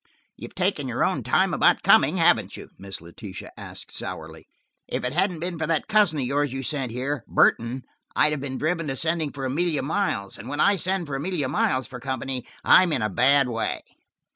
"You've taken your own time about coming, haven't you?" Miss Letitia asked sourly. "If it hadn't been for that cousin of yours you sent here, Burton, I'd have been driven to sending for Amelia Miles, and when I send for Amelia Miles for company, I'm in a bad way."